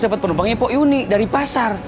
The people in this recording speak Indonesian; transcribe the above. dapat penumpangnya poyuni dari pasar